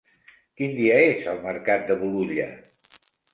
Quin dia és el mercat de Bolulla?